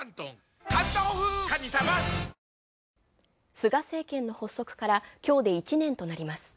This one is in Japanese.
菅政権の発足から今日で１年となります。